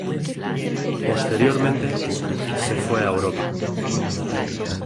Posteriormente, se fue a Europa.